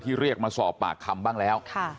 เรียกมาสอบปากคำบ้างแล้ว